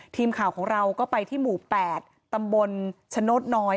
ทีมข่าวของเราก็ไปที่หมู่๘ตำบลชโนธน้อย